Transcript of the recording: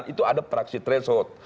itu ada praksi threshold